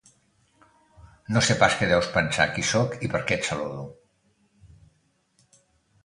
No sé pas què deus pensar qui soc i per què et saludo.